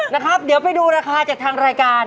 นะครับเดี๋ยวไปดูราคาจากทางรายการ